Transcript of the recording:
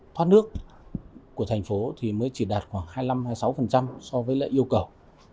thoát nước của thành phố thì mới chỉ đạt khoảng hai mươi năm hai mươi sáu so với lệ yêu cầu